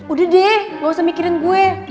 udah deh gak usah mikirin gue